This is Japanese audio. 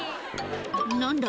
「何だ？